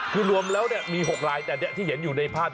คือรวมแล้วเนี่ยมี๖ลายแต่ที่เห็นอยู่ในผ้า